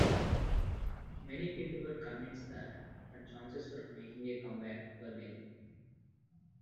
Many people were convinced that her chances for making a comeback were nil.